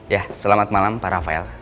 ya selamat malam pak rafael